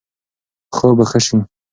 خوب به ښه شي.